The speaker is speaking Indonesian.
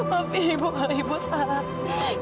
maafin ibu kalau ibu salah